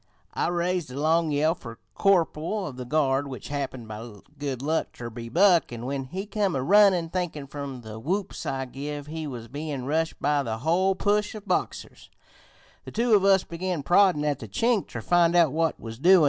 I raised the long yell fer corporal of the guard, which happened, by good luck, ter be Buck, an' when he come a runnin', thinkin' from the whoops I give we was bein' rushed by the hole push of Boxers, the two of us began proddin' at the Chink ter find out what was doin'.